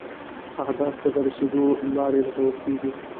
اهدافو ته د رسیدو لارې لټول کیږي.